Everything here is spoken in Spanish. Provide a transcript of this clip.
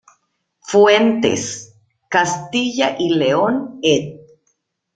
Fuentes: Castilla y León- Ed.